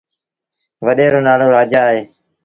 وڏي رو نآلو رآجآ اهي